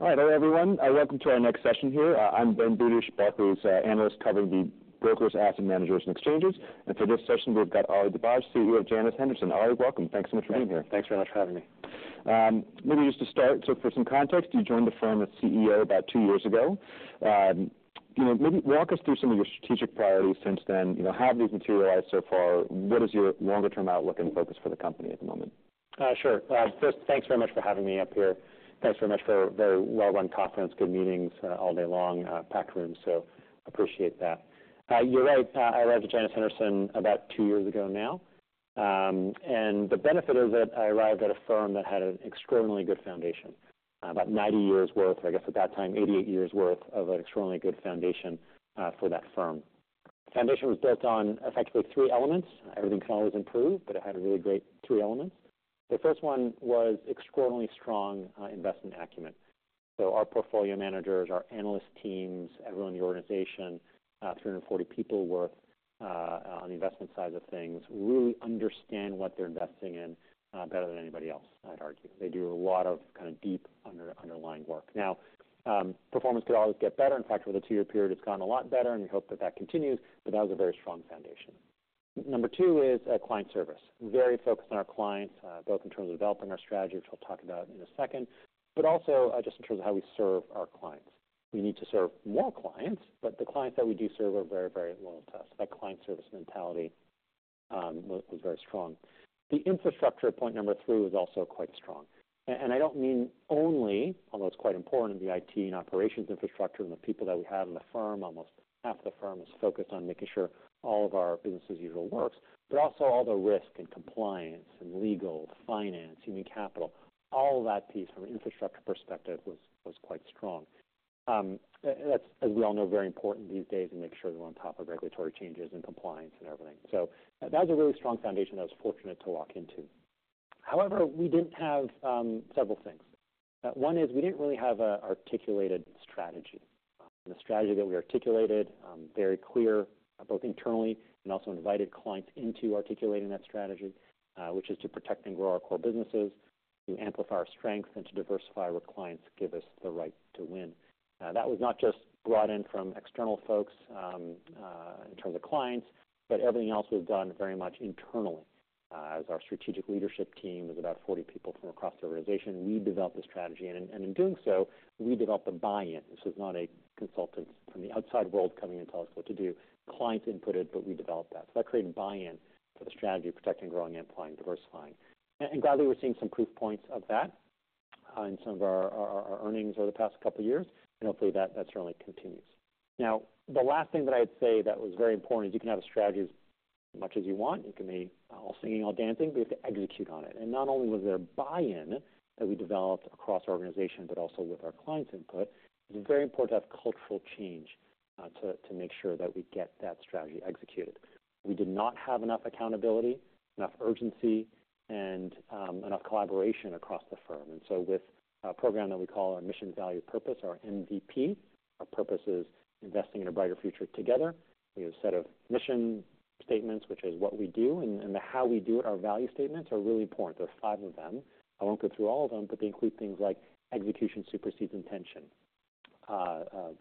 All right. Hello, everyone. Welcome to our next session here. I'm Ben Budish, Barclays, analyst, covering the brokers, asset managers, and exchanges, and for this session, we've got Ali Dibadj, CEO of Janus Henderson. Ali, welcome. Thanks so much for being here. Thanks very much for having me. Maybe just to start, so for some context, you joined the firm as CEO about two years ago. You know, maybe walk us through some of your strategic priorities since then. You know, how have these materialized so far? What is your longer-term outlook and focus for the company at the moment? Sure. First, thanks very much for having me up here. Thanks very much for a very well-run conference, good meetings, all day long, packed room, so appreciate that. You're right, I arrived at Janus Henderson about two years ago now, and the benefit of it, I arrived at a firm that had an extraordinarily good foundation, about ninety years' worth, I guess, at that time, eighty-eight years' worth of an extraordinarily good foundation, for that firm. Foundation was built on effectively three elements. Everything can always improve, but it had a really great three elements. The first one was extraordinarily strong, investment acumen. So our portfolio managers, our analyst teams, everyone in the organization, three hundred and forty people were on the investment side of things, really understand what they're investing in, better than anybody else, I'd argue. They do a lot of kind of deep underlying work. Now, performance could always get better. In fact, over the two-year period, it's gotten a lot better, and we hope that that continues, but that was a very strong foundation. Number two is client service. Very focused on our clients, both in terms of developing our strategy, which we'll talk about in a second, but also, just in terms of how we serve our clients. We need to serve more clients, but the clients that we do serve are very, very loyal to us. That client service mentality was very strong. The infrastructure at point number three was also quite strong, and I don't mean only, although it's quite important, the IT and operations infrastructure and the people that we have in the firm. Almost half the firm is focused on making sure all of our business as usual works, but also all the risk and compliance and legal, finance, human capital, all that piece from an infrastructure perspective was quite strong, and that's, as we all know, very important these days to make sure that we're on top of regulatory changes and compliance and everything, so that was a really strong foundation I was fortunate to walk into. However, we didn't have several things. One is we didn't really have an articulated strategy/ The strategy that we articulated very clearly, both internally and also invited clients into articulating that strategy, which is to protect and grow our core businesses, to amplify our strength, and to diversify where clients give us the right to win. That was not just brought in from external folks, in terms of clients, but everything else was done very much internally. As our strategic leadership team was about 40 people from across the organization, we developed the strategy, and in doing so, we developed the buy-in. This was not a consultant from the outside world coming in to tell us what to do. Clients input it, but we developed that. So that created buy-in for the strategy of protecting, growing, amplifying, diversifying. Gladly, we're seeing some proof points of that in some of our earnings over the past couple of years, and hopefully that certainly continues. Now, the last thing that I'd say that was very important is you can have a strategy as much as you want; it can be all singing, all dancing, but you have to execute on it. Not only was there buy-in that we developed across our organization, but also with our clients' input. It's very important to have cultural change to make sure that we get that strategy executed. We did not have enough accountability, enough urgency, and enough collaboration across the firm. So with a program that we call our Mission, Value, Purpose, or MVP, our purpose is investing in a brighter future together. We have a set of mission statements, which is what we do, and the how we do it, our value statements, are really important. There are five of them. I won't go through all of them, but they include things like, "Execution supersedes intention,"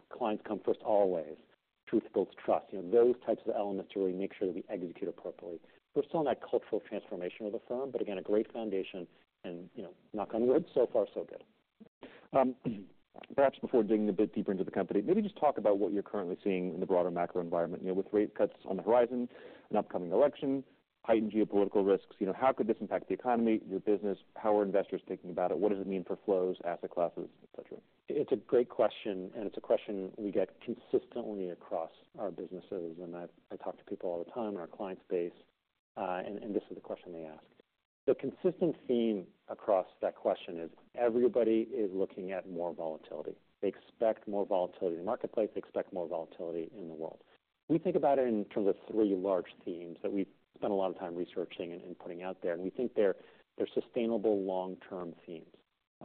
"Clients come first always," "Truth builds trust." You know, those types of elements to really make sure that we execute appropriately. We're still on that cultural transformation of the firm, but again, a great foundation and, you know, knock on wood, so far, so good. Perhaps before digging a bit deeper into the company, maybe just talk about what you're currently seeing in the broader macro environment. You know, with rate cuts on the horizon, an upcoming election, heightened geopolitical risks, you know, how could this impact the economy, your business? How are investors thinking about it? What does it mean for flows, asset classes, et cetera? It's a great question, and it's a question we get consistently across our businesses, and I talk to people all the time in our client base, and this is the question they ask. The consistent theme across that question is, everybody is looking at more volatility. They expect more volatility in the marketplace. They expect more volatility in the world. We think about it in terms of three large themes that we've spent a lot of time researching and putting out there, and we think they're sustainable long-term themes.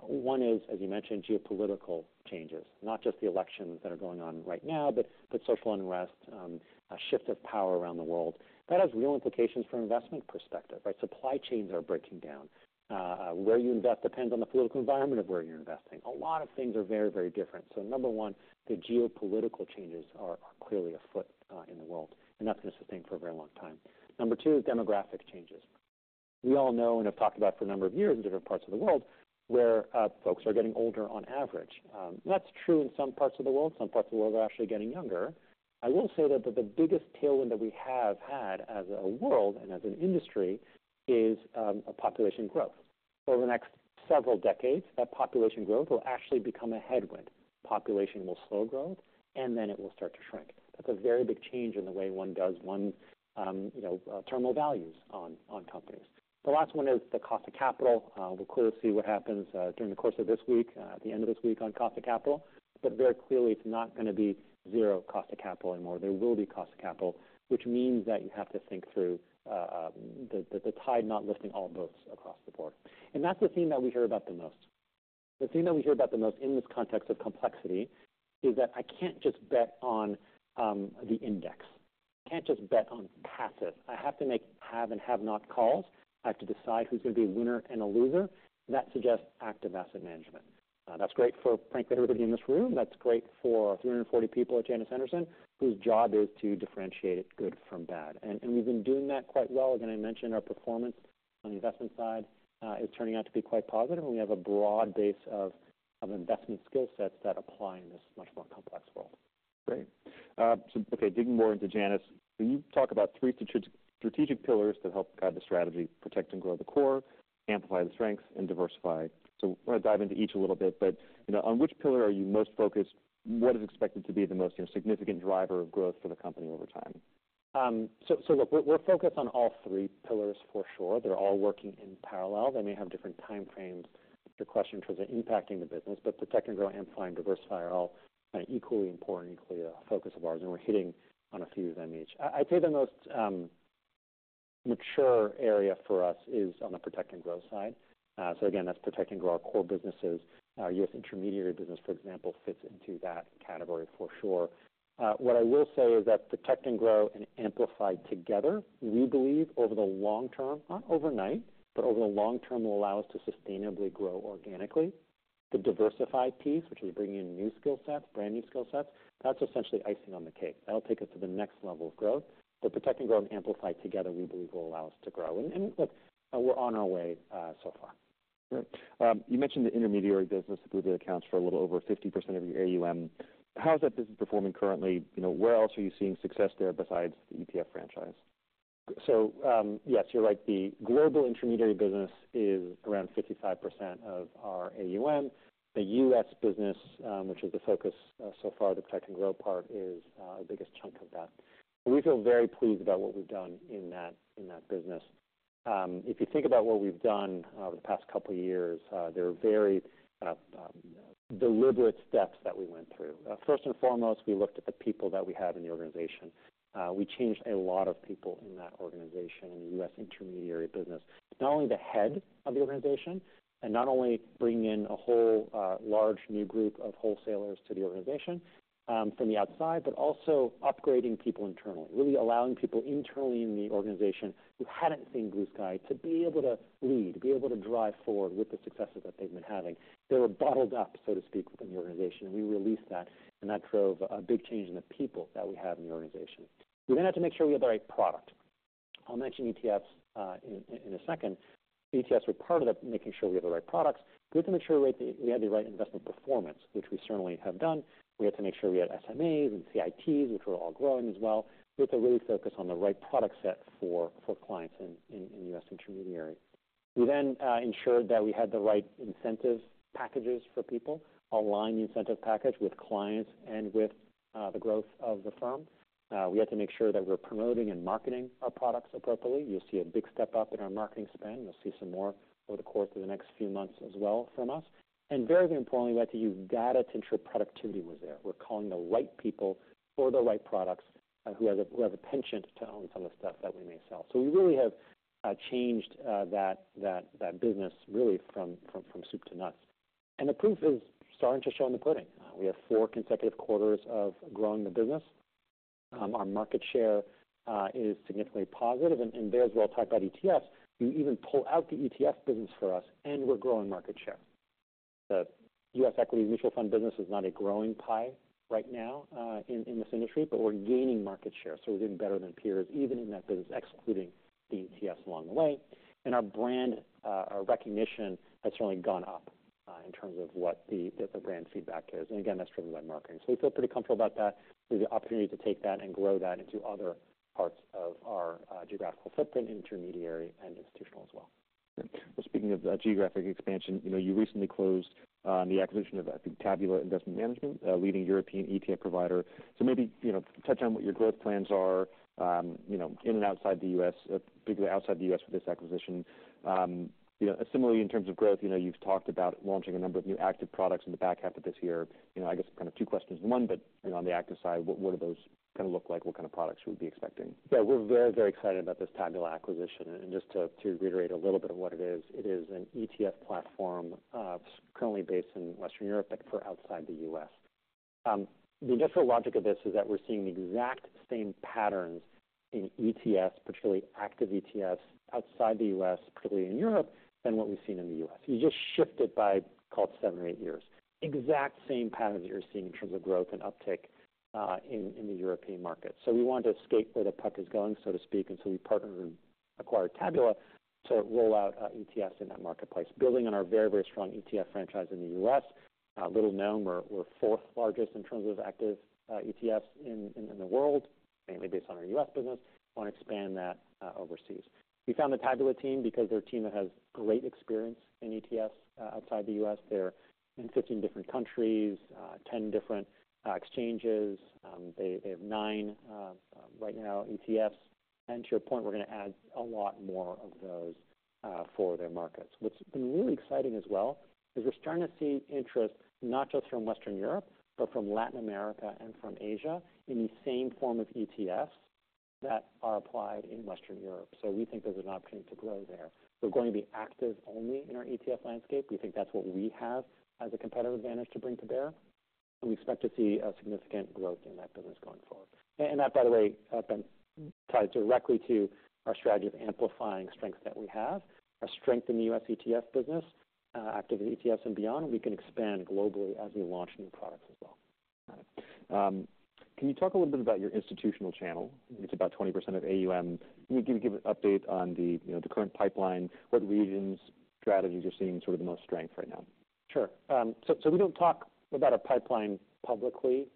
One is, as you mentioned, geopolitical changes, not just the elections that are going on right now, but social unrest, a shift of power around the world. That has real implications from investment perspective, right? Supply chains are breaking down. Where you invest depends on the political environment of where you're investing. A lot of things are very, very different. So number one, the geopolitical changes are clearly afoot in the world, and that's going to stay for a very long time. Number two is demographic changes. We all know and have talked about for a number of years in different parts of the world, where folks are getting older on average. That's true in some parts of the world. Some parts of the world are actually getting younger. I will say that the biggest tailwind that we have had as a world and as an industry is a population growth. Over the next several decades, that population growth will actually become a headwind. Population will slow growth, and then it will start to shrink. That's a very big change in the way one does one, you know, terminal values on companies. The last one is the cost of capital. We'll clearly see what happens during the course of this week, at the end of this week, on cost of capital. But very clearly, it's not gonna be zero cost of capital anymore. There will be cost of capital, which means that you have to think through the tide not lifting all boats across the board. And that's the theme that we hear about the most. The theme that we hear about the most in this context of complexity is that I can't just bet on the index.... I can't just bet on passive. I have to make have and have not calls. I have to decide who's going to be a winner and a loser. That suggests active asset management. That's great for, frankly, everybody in this room. That's great for three hundred and forty people at Janus Henderson, whose job is to differentiate good from bad. And we've been doing that quite well. Again, I mentioned our performance on the investment side is turning out to be quite positive, and we have a broad base of investment skill sets that apply in this much more complex world. Great. So, okay, digging more into Janus, can you talk about three strategic pillars that help guide the strategy, protect and grow the core, amplify the strengths, and diversify? So I want to dive into each a little bit, but, you know, on which pillar are you most focused? What is expected to be the most, you know, significant driver of growth for the company over time? So look, we're focused on all three pillars for sure. They're all working in parallel. They may have different time frames. The question in terms of impacting the business, but protect and grow, amplify, and diversify are all equally important, equally a focus of ours, and we're hitting on a few of them each. I'd say the most mature area for us is on the protect and grow side. So again, that's protect and grow our core businesses. Our U.S. intermediary business, for example, fits into that category for sure. What I will say is that protect and grow and amplify together, we believe over the long term, not overnight, but over the long term, will allow us to sustainably grow organically. The diversify piece, which is bringing in new skill sets, brand new skill sets, that's essentially icing on the cake. That'll take us to the next level of growth. But protect and grow and amplify together, we believe, will allow us to grow. And look, we're on our way, so far. Great. You mentioned the intermediary business, which accounts for a little over 50% of your AUM. How's that business performing currently? You know, where else are you seeing success there besides the ETF franchise? So, yes, you're right. The global intermediary business is around 55% of our AUM. The U.S. business, which is the focus so far, the protect and grow part, is the biggest chunk of that. We feel very pleased about what we've done in that, in that business. If you think about what we've done over the past couple of years, there are very deliberate steps that we went through. First and foremost, we looked at the people that we have in the organization. We changed a lot of people in that organization, in the U.S. intermediary business. Not only the head of the organization and not only bringing in a whole large new group of wholesalers to the organization, from the outside, but also upgrading people internally. Really allowing people internally in the organization who hadn't seen blue sky, to be able to lead, to be able to drive forward with the successes that they've been having. They were bottled up, so to speak, within the organization, and we released that, and that drove a big change in the people that we have in the organization. We then had to make sure we had the right product. I'll mention ETFs in a second. ETFs were part of the making sure we had the right products. We had to make sure we had the right investment performance, which we certainly have done. We had to make sure we had SMAs and CITs, which were all growing as well. We had to really focus on the right product set for clients in U.S. intermediary. We then ensured that we had the right incentive packages for people, align the incentive package with clients and with the growth of the firm. We had to make sure that we're promoting and marketing our products appropriately. You'll see a big step up in our marketing spend. You'll see some more over the course of the next few months as well from us. Very, very importantly, we had to use data to ensure productivity was there. We're calling the right people for the right products, who have a penchant to own some of the stuff that we may sell. So we really have changed that business really from soup to nuts. The proof is starting to show in the pudding. We have four consecutive quarters of growing the business. Our market share is significantly positive, and you may as well talk about ETFs. We even pull out the ETF business for us, and we're growing market share. The U.S. equity mutual fund business is not a growing pie right now, in this industry, but we're gaining market share, so we're doing better than peers, even in that business, excluding the ETFs along the way, and our brand, our recognition has certainly gone up, in terms of what the brand feedback is, and again, that's driven by marketing, so we feel pretty comfortable about that. There's the opportunity to take that and grow that into other parts of our geographical footprint, intermediary and institutional as well. Well, speaking of the geographic expansion, you know, you recently closed the acquisition of, I think, Tabula Investment Management, a leading European ETF provider. So maybe, you know, touch on what your growth plans are, you know, in and outside the U.S., particularly outside the U.S. for this acquisition. You know, similarly, in terms of growth, you know, you've talked about launching a number of new active products in the back half of this year. You know, I guess kind of two questions in one, but, you know, on the active side, what do those kind of look like? What kind of products we would be expecting? Yeah, we're very, very excited about this Tabula acquisition. And just to reiterate a little bit of what it is, it is an ETF platform, currently based in Western Europe, but for outside the U.S. The initial logic of this is that we're seeing the exact same patterns in ETFs, particularly active ETFs, outside the U.S., particularly in Europe, than what we've seen in the U.S. You just shift it by, call it seven or eight years. Exact same patterns you're seeing in terms of growth and uptick in the European market. So we want to skate where the puck is going, so to speak, and so we partnered and acquired Tabula to roll out ETFs in that marketplace. Building on our very, very strong ETF franchise in the U.S., little known, we're fourth largest in terms of active ETFs in the world, mainly based on our U.S. business. We want to expand that overseas. We found the Tabula team because they're a team that has great experience in ETFs outside the U.S. They're in 15 different countries, 10 different exchanges. They have 9 right now, ETFs. And to your point, we're going to add a lot more of those for their markets. What's been really exciting as well is we're starting to see interest not just from Western Europe, but from Latin America and from Asia, in the same form of ETFs that are applied in Western Europe. So we think there's an opportunity to grow there. We're going to be active only in our ETF landscape. We think that's what we have as a competitive advantage to bring to bear... We expect to see a significant growth in that business going forward. And that, by the way, Ben, ties directly to our strategy of amplifying strengths that we have. Our strength in the U.S. ETF business, active ETFs and beyond, we can expand globally as we launch new products as well. Got it. Can you talk a little bit about your institutional channel? It's about 20% of AUM. Can you give an update on the, you know, the current pipeline, what regions, strategies are seeing sort of the most strength right now? Sure, so we don't talk about our pipeline publicly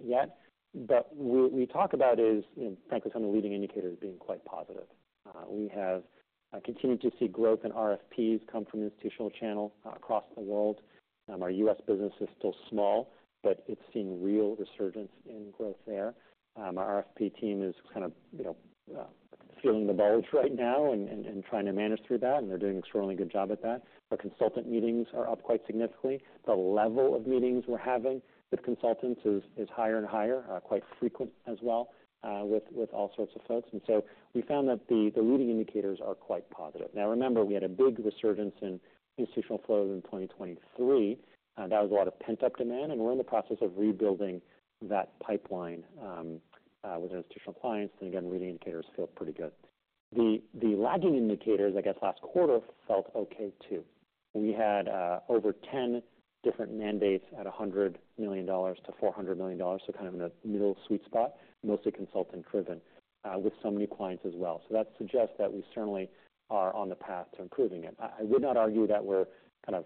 yet, but what we talk about is, you know, frankly, some of the leading indicators being quite positive. We have continued to see growth in RFPs come from institutional channel across the world. Our U.S. business is still small, but it's seeing real resurgence in growth there. Our RFP team is kind of, you know, feeling the bulge right now and trying to manage through that, and they're doing an extremely good job at that. Our consultant meetings are up quite significantly. The level of meetings we're having with consultants is higher and higher, quite frequent as well, with all sorts of folks, and so we found that the leading indicators are quite positive. Now remember, we had a big resurgence in institutional flows in 2023, that was a lot of pent-up demand, and we're in the process of rebuilding that pipeline with institutional clients. And again, leading indicators feel pretty good. The lagging indicators, I guess, last quarter felt okay too. We had over 10 different mandates at $100 million-$400 million, so kind of in the middle sweet spot, mostly consultant-driven, with some new clients as well. So that suggests that we certainly are on the path to improving it. I would not argue that we're kind of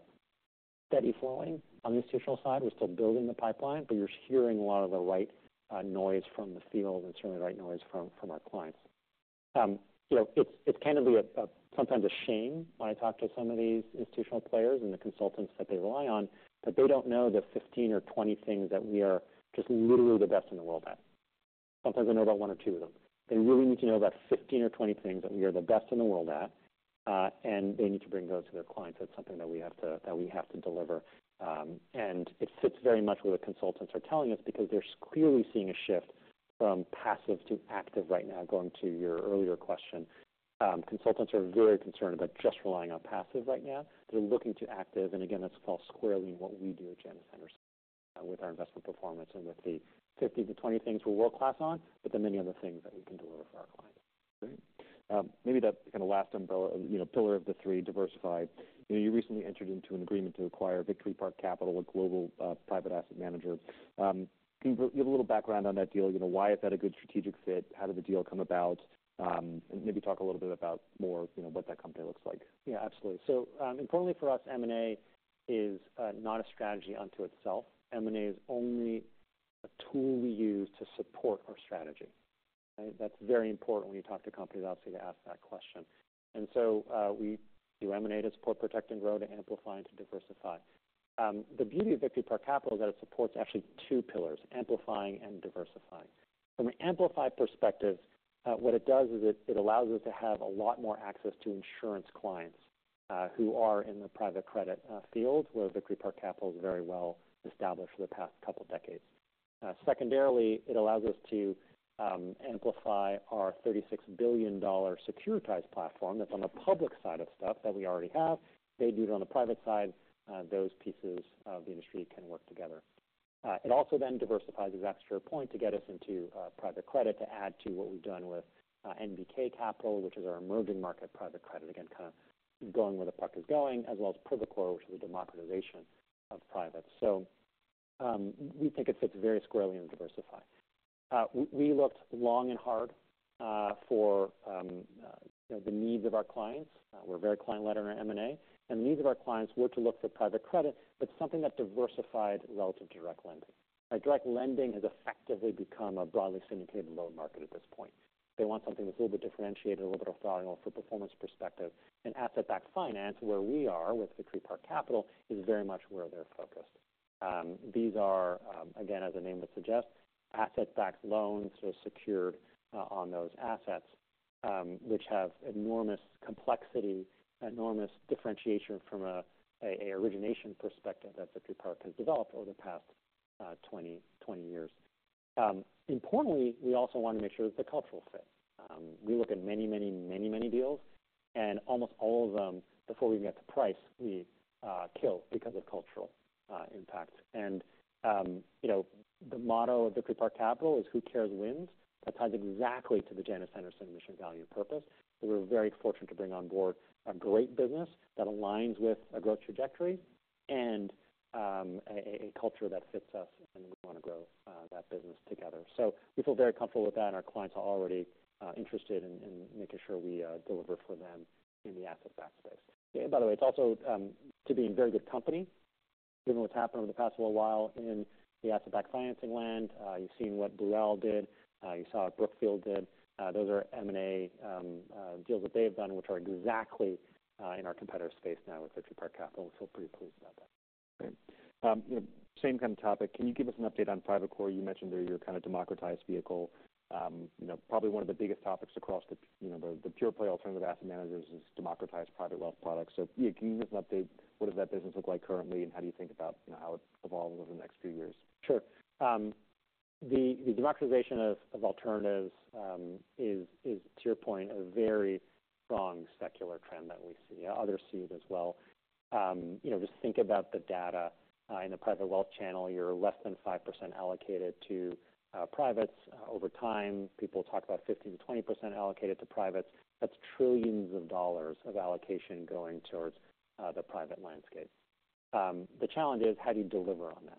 steady flowing on the institutional side. We're still building the pipeline, but you're hearing a lot of the right noise from the field and certainly the right noise from our clients. You know, it's kind of sometimes a shame when I talk to some of these institutional players and the consultants that they rely on, that they don't know the fifteen or twenty things that we are just literally the best in the world at. Sometimes they know about one or two of them. They really need to know about fifteen or twenty things that we are the best in the world at, and they need to bring those to their clients. That's something that we have to deliver. And it fits very much what the consultants are telling us, because they're clearly seeing a shift from passive to active right now, going to your earlier question. Consultants are very concerned about just relying on passive right now. They're looking to active, and again, that's falls squarely in what we do at Janus Henderson with our investment performance and with the 15-20 things we're world-class on, but the many other things that we can deliver for our clients. Great. Maybe that kind of last umbrella, you know, pillar of the three, diversify. You know, you recently entered into an agreement to acquire Victory Park Capital, a global, private asset manager. Can you give a little background on that deal? You know, why is that a good strategic fit? How did the deal come about? And maybe talk a little bit about more, you know, what that company looks like. Yeah, absolutely. So, importantly for us, M&A is not a strategy unto itself. M&A is only a tool we use to support our strategy. Right? That's very important when you talk to companies, obviously, to ask that question. And so, we do M&A to support, protect, and grow, to amplify, and to diversify. The beauty of Victory Park Capital is that it supports actually two pillars, amplifying and diversifying. From an amplified perspective, what it does is it allows us to have a lot more access to insurance clients who are in the private credit field, where Victory Park Capital is very well established for the past couple of decades. Secondarily, it allows us to amplify our $36 billion securitized platform that's on the public side of stuff that we already have. They do it on the private side. Those pieces of the industry can work together. It also then diversifies as extra point to get us into private credit to add to what we've done with NBK Capital, which is our emerging market private credit, again, kind of going where the puck is going, as well as Privacore, which is the democratization of private, so we think it fits very squarely in diversify. We looked long and hard, you know, for the needs of our clients. We're very client-led in our M&A, and the needs of our clients were to look for private credit, but something that diversified relative to direct lending. Direct lending has effectively become a broadly syndicated loan market at this point. They want something that's a little bit differentiated, a little bit of an angle for performance perspective, and asset-backed finance, where we are with Victory Park Capital, is very much where they're focused. These are, again, as the name would suggest, asset-backed loans are secured on those assets, which have enormous complexity, enormous differentiation from an origination perspective that Victory Park has developed over the past twenty years. Importantly, we also want to make sure it's a cultural fit. We look at many, many, many, many deals, and almost all of them, before we even get to price, we kill because of cultural impact, and you know, the motto of Victory Park Capital is, "Who cares wins?" That ties exactly to the Janus Henderson mission, value, and purpose. So we're very fortunate to bring on board a great business that aligns with a growth trajectory and a culture that fits us, and we want to grow that business together. So we feel very comfortable with that, and our clients are already interested in making sure we deliver for them in the asset-backed space. And by the way, it's also to be in very good company, given what's happened over the past little while in the asset-backed financing land. You've seen what Burrell did. You saw what Brookfield did. Those are M&A deals that they have done, which are exactly in our competitor space now with Victory Park Capital. So pretty pleased about that. Great. You know, same kind of topic. Can you give us an update on Privacore? You mentioned they're your kind of democratized vehicle. You know, probably one of the biggest topics across the, you know, the pure play alternative asset managers is democratized private wealth products. So, yeah, can you give us an update, what does that business look like currently, and how do you think about, you know, how it's evolving over the next few years? Sure. The democratization of alternatives is to your point, a very strong secular trend that we see, others see it as well. You know, just think about the data. In the private wealth channel, you're less than 5% allocated to privates. Over time, people talk about 15%-20% allocated to privates. That's trillions of dollars of allocation going towards the private landscape. The challenge is how do you deliver on that,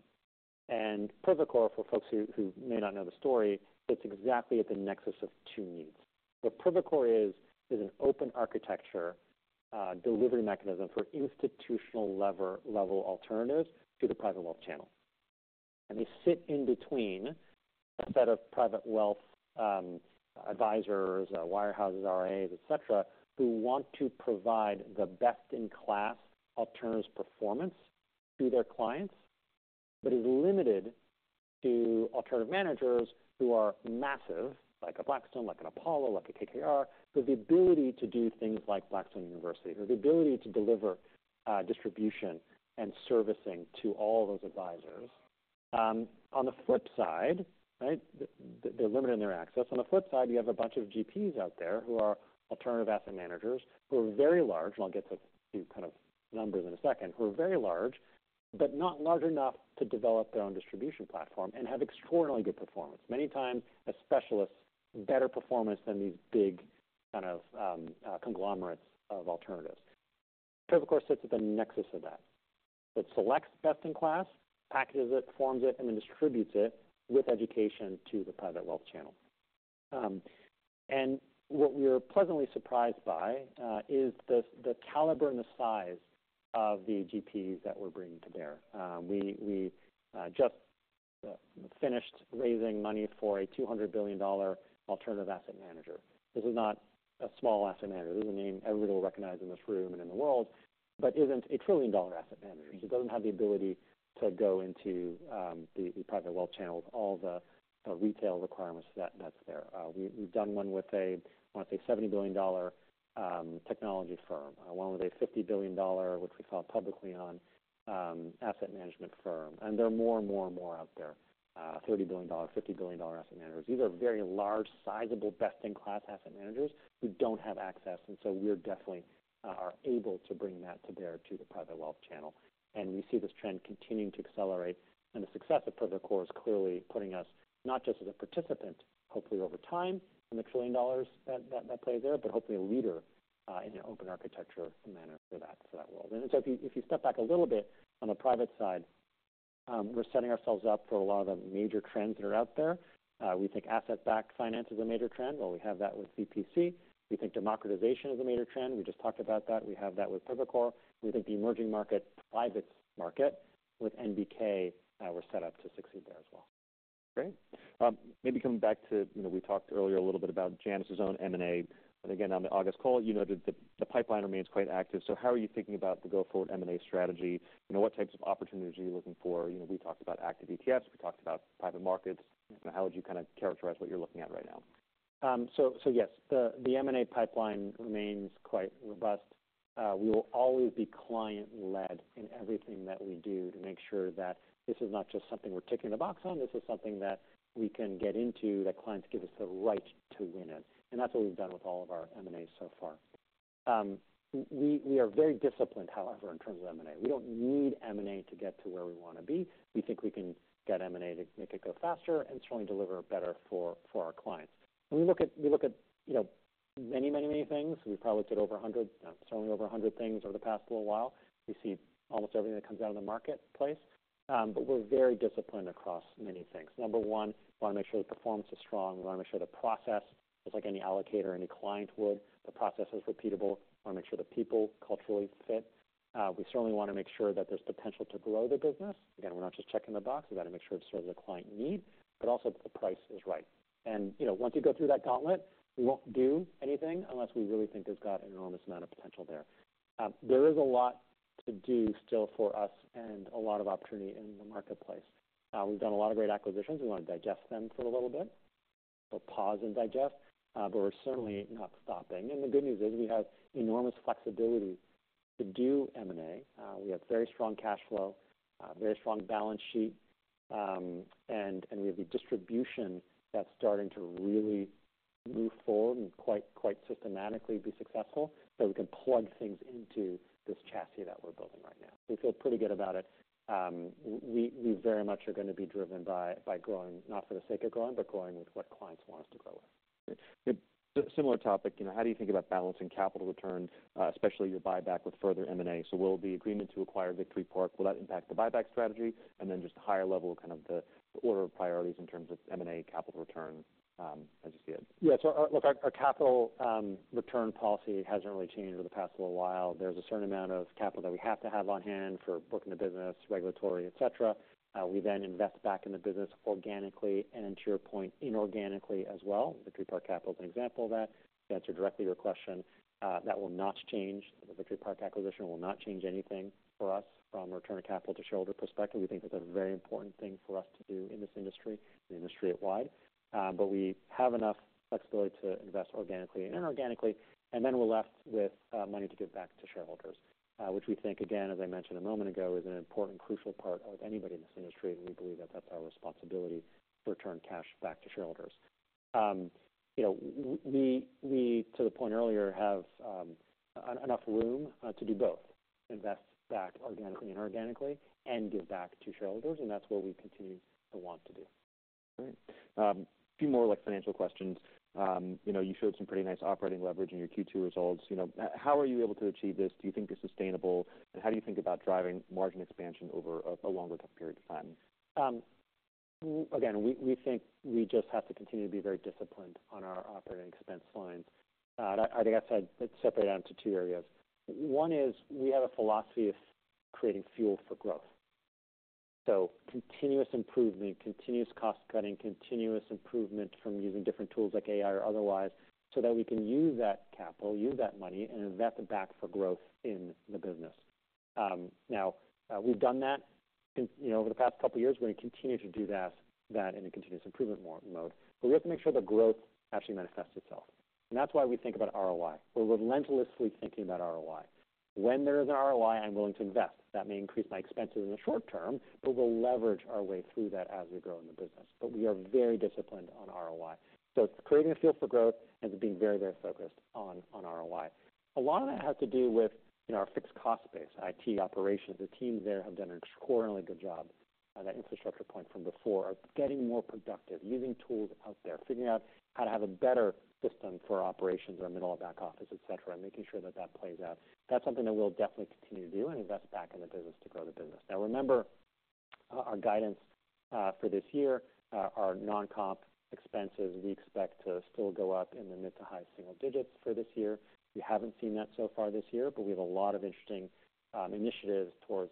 and Privacore, for folks who may not know the story, it's exactly at the nexus of two needs. What Privacore is is an open architecture delivery mechanism for institutional-level alternatives to the private wealth channel. They sit in between a set of private wealth advisors wirehouses, RAs, et cetera, who want to provide the best-in-class alternatives performance to their clients, but is limited to alternative managers who are massive, like a Blackstone, like an Apollo, like a KKR, with the ability to do things like Blackstone University, or the ability to deliver distribution and servicing to all those advisors. On the flip side, right, they're limited in their access. On the flip side, you have a bunch of GPs out there who are alternative asset managers, who are very large, and I'll get to the kind of numbers in a second, who are very large, but not large enough to develop their own distribution platform and have extraordinarily good performance, many times, as specialists, better performance than these big kind of conglomerates of alternatives. Privacore sits at the nexus of that. It selects best-in-class, packages it, forms it, and then distributes it with education to the private wealth channel, and what we are pleasantly surprised by is the caliber and the size of the GPs that we're bringing to bear. We just finished raising money for a $200 billion alternative asset manager. This is not a small asset manager. This is a name everybody will recognize in this room and in the world, but isn't a $1 trillion asset manager. So it doesn't have the ability to go into the private wealth channel with all the retail requirements that's there. We've done one with, I want to say, a $70 billion technology firm, one with a $50 billion, which we saw publicly on asset management firm. And there are more and more and more out there, $30 billion, $50 billion asset managers. These are very large, sizable, best-in-class asset managers who don't have access, and so we're definitely are able to bring that to bear to the private wealth channel. And we see this trend continuing to accelerate, and the success of Privacore is clearly putting us not just as a participant, hopefully over time, in the $1 trillion that plays there, but hopefully a leader in an open architecture manner for that world. And so if you, if you step back a little bit on the private side, we're setting ourselves up for a lot of the major trends that are out there. We think asset-backed finance is a major trend. Well, we have that with VPC. We think democratization is a major trend. We just talked about that. We have that with Privacore. We think the emerging market, privates market, with NBK, we're set up to succeed there as well. Great. Maybe coming back to, you know, we talked earlier a little bit about Janus's own M&A, but again, on the August call, you noted that the pipeline remains quite active. So how are you thinking about the go-forward M&A strategy? You know, what types of opportunities are you looking for? You know, we talked about active ETFs, we talked about private markets. How would you kind of characterize what you're looking at right now? Yes, the M&A pipeline remains quite robust. We will always be client-led in everything that we do to make sure that this is not just something we're ticking the box on, this is something that we can get into that clients give us the right to win in. That's what we've done with all of our M&As so far. We are very disciplined, however, in terms of M&A. We don't need M&A to get to where we want to be. We think we can get M&A to make it go faster and certainly deliver better for our clients. When we look at you know many things. We've probably looked at over 100, certainly over 100 things over the past little while. We see almost everything that comes out of the marketplace, but we're very disciplined across many things. Number one, we want to make sure the performance is strong. We want to make sure the process, just like any allocator, any client would, the process is repeatable. We want to make sure the people culturally fit. We certainly want to make sure that there's potential to grow the business. Again, we're not just checking the box. We got to make sure it serves the client need, but also that the price is right. And, you know, once you go through that gauntlet, we won't do anything unless we really think it's got an enormous amount of potential there. There is a lot to do still for us and a lot of opportunity in the marketplace. We've done a lot of great acquisitions. We want to digest them for a little bit, so pause and digest, but we're certainly not stopping, and the good news is we have enormous flexibility to do M&A. We have very strong cash flow, very strong balance sheet, and we have a distribution that's starting to really move forward and quite systematically be successful, so we can plug things into this chassis that we're building right now. We feel pretty good about it. We very much are going to be driven by growing, not for the sake of growing, but growing with what clients want us to grow with. Good. Similar topic, you know, how do you think about balancing capital return, especially your buyback with further M&A? So will the agreement to acquire Victory Park, will that impact the buyback strategy? And then just higher level, kind of the order of priorities in terms of M&A capital return, as you see it. Yeah, so, look, our capital return policy hasn't really changed over the past little while. There's a certain amount of capital that we have to have on hand for booking the business, regulatory, et cetera. We then invest back in the business organically, and to your point, inorganically as well. Victory Park Capital is an example of that. To answer directly to your question, that will not change. The Victory Park acquisition will not change anything for us from a return of capital to shareholder perspective. We think it's a very important thing for us to do in this industry, the industry at large. But we have enough flexibility to invest organically and inorganically, and then we're left with money to give back to shareholders, which we think, again, as I mentioned a moment ago, is an important crucial part of anybody in this industry, and we believe that that's our responsibility to return cash back to shareholders. You know, to the point earlier, we have enough room to do both: invest back organically and inorganically and give back to shareholders, and that's what we continue to want to do. All right. A few more, like, financial questions. You know, you showed some pretty nice operating leverage in your Q2 results. You know, how are you able to achieve this? Do you think it's sustainable? And how do you think about driving margin expansion over a longer-term period of time? Again, we think we just have to continue to be very disciplined on our operating expense line. I think I said let's separate it out into two areas. One is we have a philosophy of creating fuel for growth, so continuous improvement, continuous cost cutting, continuous improvement from using different tools like AI or otherwise, so that we can use that capital, use that money, and invest it back for growth in the business. We've done that in, you know, over the past couple of years. We're going to continue to do that in a continuous improvement mode, but we have to make sure the growth actually manifests itself. That's why we think about ROI. We're relentlessly thinking about ROI. When there is an ROI, I'm willing to invest. That may increase my expenses in the short term, but we'll leverage our way through that as we grow in the business. But we are very disciplined on ROI, so it's creating a fuel for growth and to being very, very focused on ROI. A lot of that has to do with, you know, our fixed cost base, IT operations. The teams there have done an extraordinarily good job. That infrastructure point from before, of getting more productive, using tools out there, figuring out how to have a better system for our operations, our middle- and back office, et cetera, and making sure that that plays out. That's something that we'll definitely continue to do and invest back in the business to grow the business. Now, remember, our guidance, for this year, our non-comp expenses, we expect to still go up in the mid to high single digits for this year. We haven't seen that so far this year, but we have a lot of interesting initiatives towards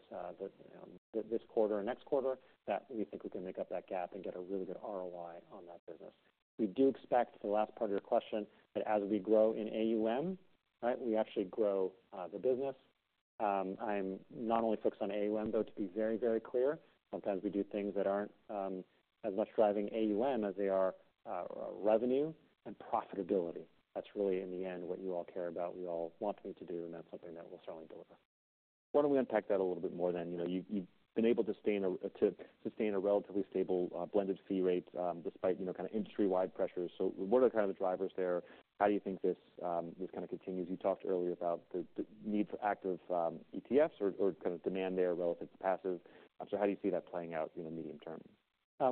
this quarter or next quarter that we think we can make up that gap and get a really good ROI on that business. We do expect, the last part of your question, that as we grow in AUM, right, we actually grow the business. I'm not only focused on AUM, though, to be very, very clear. Sometimes we do things that aren't as much driving AUM as they are revenue and profitability. That's really, in the end, what you all care about, we all want me to do, and that's something that we'll certainly deliver. Why don't we unpack that a little bit more then? You know, you've been able to sustain a relatively stable blended fee rate, despite, you know, kind of industry-wide pressures. So what are kind of the drivers there? How do you think this kind of continues? You talked earlier about the need for active ETFs or kind of demand there relative to passive. So how do you see that playing out in the medium term?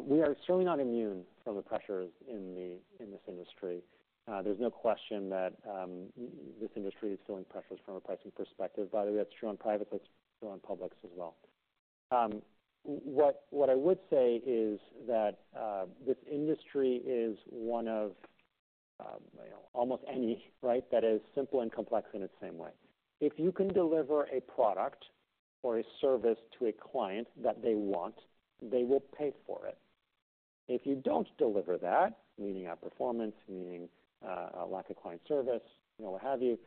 We are certainly not immune from the pressures in this industry. There's no question that this industry is feeling pressures from a pricing perspective. By the way, that's true on private, that's true on public as well. What I would say is that this industry is one of, you know, almost any, right? That is simple and complex in its same way. If you can deliver a product or a service to a client that they want, they will pay for it. If you don't deliver that, meaning outperformance, meaning a lack of client service, you know, what have you,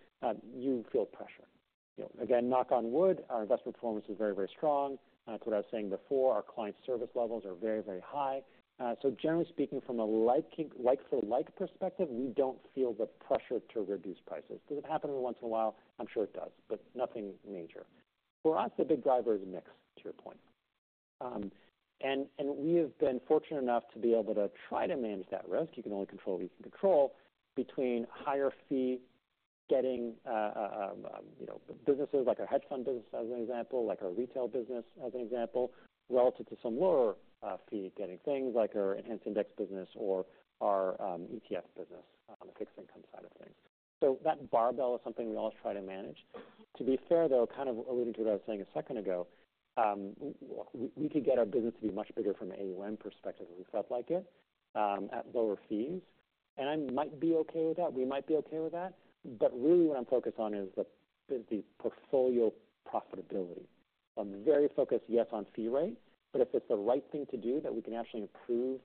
you feel pressure. You know, again, knock on wood, our investment performance is very, very strong. To what I was saying before, our client service levels are very, very high. So generally speaking, from a like for like perspective, we don't feel the pressure to reduce prices. Does it happen every once in a while? I'm sure it does, but nothing major. For us, the big driver is mix, to your point. And we have been fortunate enough to be able to try to manage that risk. You can only control what you can control between higher fees, getting, you know, businesses like our hedge fund business as an example, like our retail business as an example, relative to some lower, fee-getting things like our enhanced index business or our ETF business, on the fixed income side of things. So that barbell is something we always try to manage. To be fair, though, kind of alluding to what I was saying a second ago, we could get our business to be much bigger from an AUM perspective if we felt like it, at lower fees, and I might be okay with that. We might be okay with that. But really what I'm focused on is the portfolio profitability. I'm very focused, yes, on fee rate, but if it's the right thing to do, that we can actually improve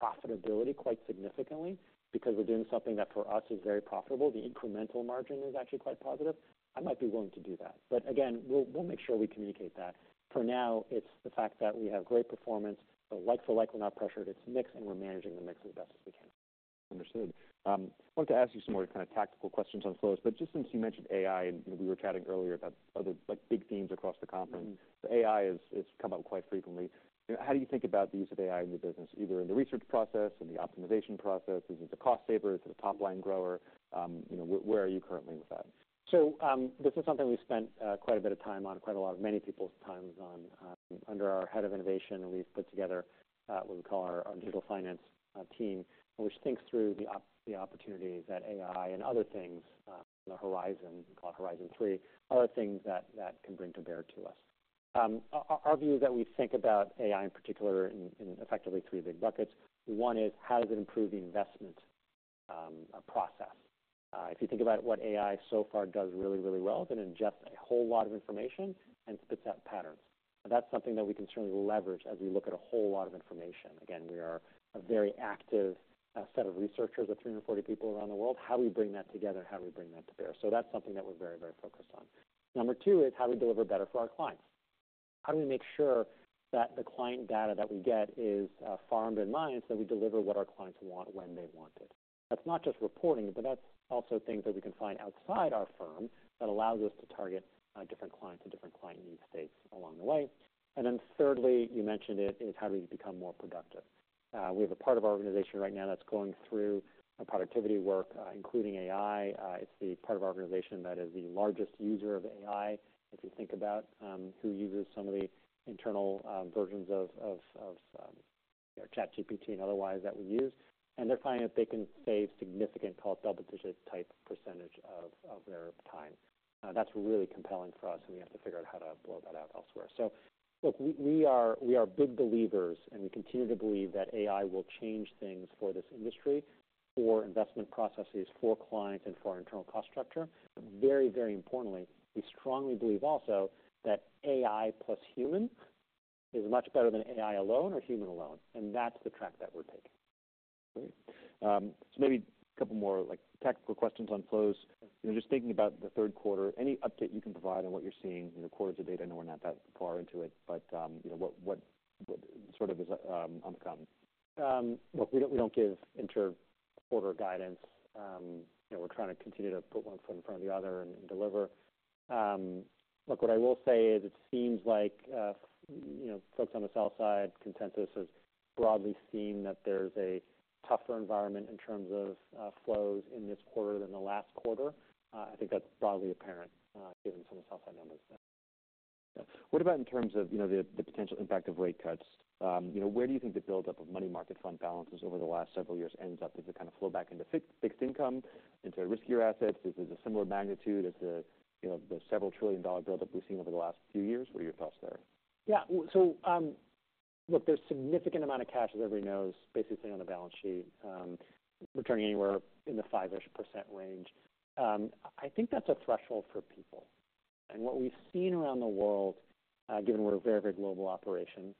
profitability quite significantly because we're doing something that for us is very profitable, the incremental margin is actually quite positive, I might be willing to do that. But again, we'll make sure we communicate that. For now, it's the fact that we have great performance, but like for like, we're not pressured, it's mix, and we're managing the mix as best as we can. Understood. I want to ask you some more kind of tactical questions on flows, but just since you mentioned AI, and we were chatting earlier about other, like, big themes across the conference- so AI has come up quite frequently. How do you think about the use of AI in your business, either in the research process, in the optimization process? Is it a cost saver? Is it a top-line grower? You know, where are you currently with that? So this is something we've spent quite a bit of time on, quite a lot of many people's times on. Under our head of innovation, we've put together what we call our digital finance team, which thinks through the opportunities that AI and other things on the horizon, we call Horizon Three, other things that can bring to bear to us. Our view is that we think about AI in particular in effectively three big buckets. One is: How does it improve the investment process? If you think about what AI so far does really, really well, it can ingest a whole lot of information and spits out patterns. That's something that we can certainly leverage as we look at a whole lot of information. Again, we are a very active set of researchers of 340 people around the world. How do we bring that together? How do we bring that to bear? So that's something that we're very, very focused on. Number two is: How do we deliver better for our clients? How do we make sure that the client data that we get is farmed and mined, so we deliver what our clients want when they want it? That's not just reporting, but that's also things that we can find outside our firm that allows us to target different clients and different client need states along the way. And then thirdly, you mentioned it, is how do we become more productive? We have a part of our organization right now that's going through a productivity work, including AI. It's the part of our organization that is the largest user of AI. If you think about who uses some of the internal versions of, you know, ChatGPT and otherwise that we use, and they're finding that they can save significant, call it double-digit type percentage of their time. That's really compelling for us, and we have to figure out how to roll that out elsewhere. So look, we are big believers, and we continue to believe that AI will change things for this industry, for investment processes, for clients, and for our internal cost structure. Very, very importantly, we strongly believe also that AI plus human is much better than AI alone or human alone, and that's the track that we're taking. Great. So maybe a couple more, like, tactical questions on flows. You know, just thinking about the third quarter, any update you can provide on what you're seeing in the quarters of data? I know we're not that far into it, but, you know, what sort of is on the coming? Look, we don't give inter-quarter guidance. You know, we're trying to continue to put one foot in front of the other and deliver. Look, what I will say is it seems like, you know, folks on the sell-side consensus is broadly seeing that there's a tougher environment in terms of flows in this quarter than the last quarter. I think that's broadly apparent, given some of the sell-side numbers. Yeah. What about in terms of, you know, the potential impact of rate cuts? You know, where do you think the buildup of money market fund balances over the last several years ends up? Does it kind of flow back into fixed income, into riskier assets? Is it a similar magnitude as the, you know, the several trillion-dollar buildup we've seen over the last few years? What are your thoughts there? Yeah. Well, so, look, there's significant amount of cash, as everybody knows, basically on the balance sheet, returning anywhere in the five-ish% range. I think that's a threshold for people, and what we've seen around the world, given we're a very, very global operation,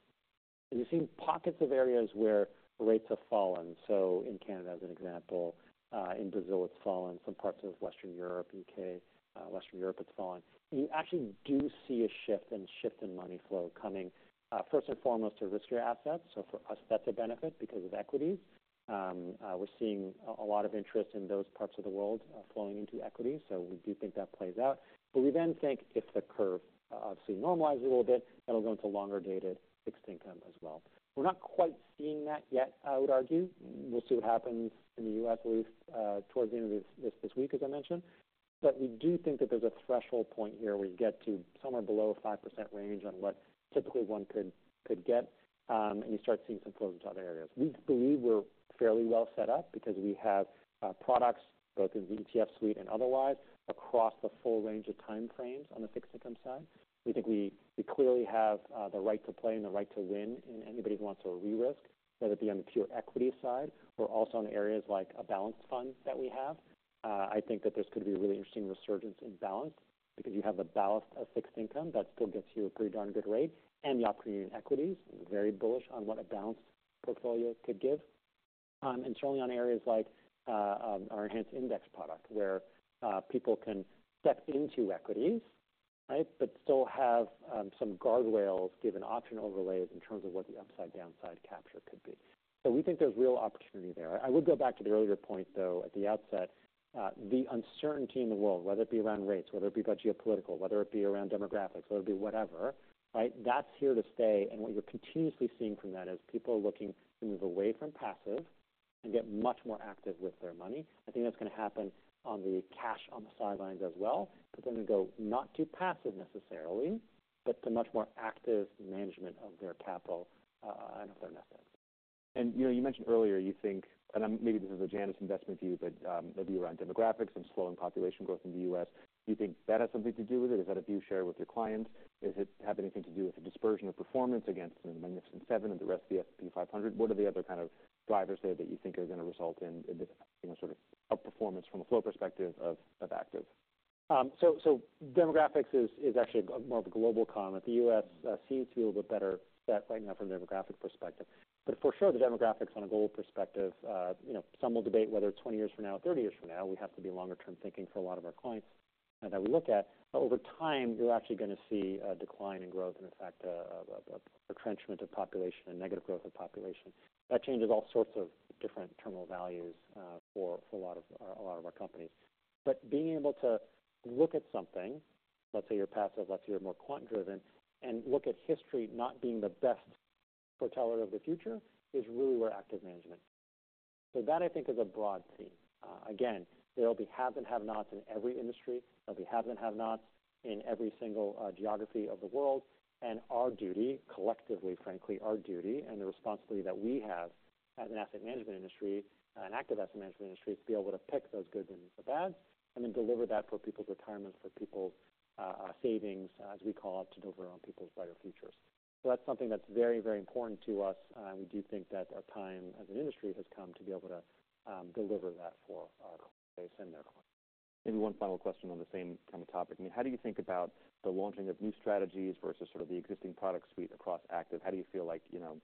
is you've seen pockets of areas where rates have fallen, so in Canada, as an example, in Brazil, it's fallen. Some parts of Western Europe, U.K., Western Europe, it's fallen. You actually do see a shift in money flow coming, first and foremost, to riskier assets, so for us, that's a benefit because of equities. We're seeing a lot of interest in those parts of the world, flowing into equities, so we do think that plays out. But we then think if the curve obviously normalizes a little bit, that'll go into longer-dated, fixed income as well. We're not quite seeing that yet, I would argue. We'll see what happens in the U.S., at least, towards the end of this week, as I mentioned. But we do think that there's a threshold point here where you get to somewhere below a 5% range on what typically one could get, and you start seeing some flows into other areas. We believe we're fairly well set up because we have products, both in the ETF suite and otherwise, across the full range of time frames on the fixed income side. We think we clearly have the right to play and the right to win in anybody who wants to re-risk, whether it be on the pure equity side or also in areas like a balanced fund that we have. I think that there's going to be a really interesting resurgence in balance because you have a ballast of fixed income that still gets you a pretty darn good rate and the opportunity in equities. Very bullish on what a balanced portfolio could give, and certainly on areas like our enhanced index product, where people can step into equities, right? But still have some guardrails, given option overlays in terms of what the upside, downside capture could be. So we think there's real opportunity there. I would go back to the earlier point, though, at the outset. The uncertainty in the world, whether it be around rates, whether it be about geopolitical, whether it be around demographics, whether it be whatever, right? That's here to stay, and what you're continuously seeing from that is people are looking to move away from passive and get much more active with their money. I think that's going to happen on the cash on the sidelines as well, but then they go not to passive necessarily, but to much more active management of their capital, and of their assets. You know, you mentioned earlier. You think maybe this is a Janus investment view, but maybe around demographics and slowing population growth in the U.S., do you think that has something to do with it? Is that a view you share with your clients? Does it have anything to do with the dispersion of performance against the Magnificent Seven and the rest of the S&P 500? What are the other kind of drivers there that you think are going to result in this, you know, sort of outperformance from a flow perspective of active? So demographics is actually more of a global comment. The U.S. seems to be a little bit better set right now from a demographic perspective. But for sure, the demographics on a global perspective, you know, some will debate whether it's twenty years from now, thirty years from now. We have to be longer-term thinking for a lot of our clients that we look at. But over time, you're actually going to see a decline in growth and, in fact, a retrenchment of population and negative growth of population. That changes all sorts of different terminal values for a lot of our companies. But being able to look at something, let's say you're passive, let's say you're more quant driven, and look at history not being the best foreteller of the future, is really where active management. So that, I think, is a broad theme. Again, there will be haves and have-nots in every industry. There'll be haves and have-nots in every single, geography of the world, and our duty, collectively, frankly, our duty and the responsibility that we have as an asset management industry, an active asset management industry, is to be able to pick those goods and the bads, and then deliver that for people's retirements, for people's savings, as we call it, to deliver on people's brighter futures. So that's something that's very, very important to us, and we do think that our time as an industry has come to be able to, deliver that for our clients and their clients. Maybe one final question on the same kind of topic. I mean, how do you think about the launching of new strategies versus sort of the existing product suite across active? How do you feel like, you know,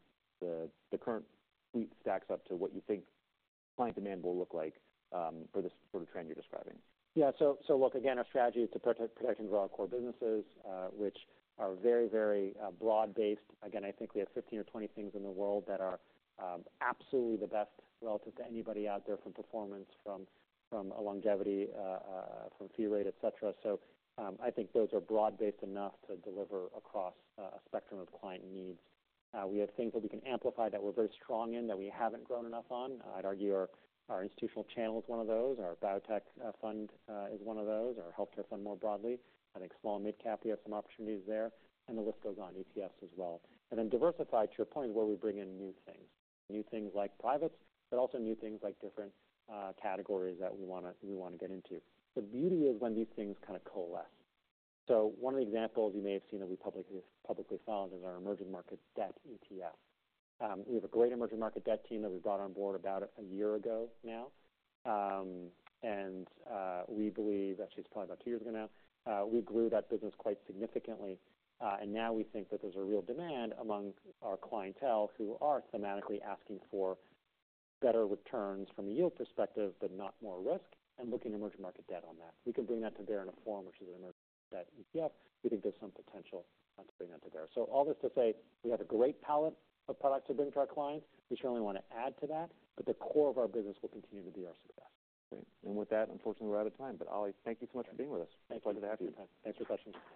the current suite stacks up to what you think client demand will look like, for this sort of trend you're describing? Yeah, so, so look, again, our strategy is to protect, protecting our core businesses, which are very, very, broad-based. Again, I think we have 15 or 20 things in the world that are, absolutely the best relative to anybody out there from performance, from a longevity, from fee rate, et cetera. So, I think those are broad-based enough to deliver across, a spectrum of client needs. We have things that we can amplify, that we're very strong in, that we haven't grown enough on. I'd argue our institutional channel is one of those, our biotech fund is one of those, our healthcare fund more broadly. I think small and mid-cap, we have some opportunities there, and the list goes on, ETFs as well. And then diversify, to your point, where we bring in new things. New things like privates, but also new things like different categories that we wanna get into. The beauty is when these things kind of coalesce. So one of the examples you may have seen that we publicly filed is our emerging market debt ETF. We have a great emerging market debt team that we brought on board about a year ago now. And we believe. Actually, it's probably about two years ago now. We grew that business quite significantly, and now we think that there's a real demand among our clientele, who are thematically asking for better returns from a yield perspective, but not more risk, and looking to emerging market debt on that. We can bring that to bear in a form, which is an emerging debt ETF. We think there's some potential to bring that to bear. So all this to say, we have a great palette of products to bring to our clients. We certainly want to add to that, but the core of our business will continue to be our success. Great. And with that, unfortunately, we're out of time. But, Ollie, thank you so much for being with us. Thank you. Pleasure to have you. Thanks for your questions.